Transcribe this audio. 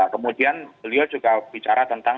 kemudian beliau juga bicara tentang